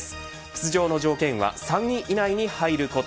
出場の条件は３位以内に入ること。